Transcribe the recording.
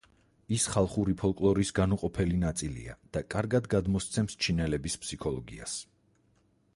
ის ხალხური ფოლკლორის განუყოფელი ნაწილია და კარგად გადმოსცემს ჩინელების ფსიქოლოგიას.